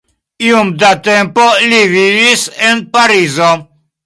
Iom da tempo li vivis en Parizo.